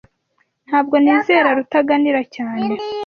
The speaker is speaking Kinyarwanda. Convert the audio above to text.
Ntabwo nizera Rutaganira cyane.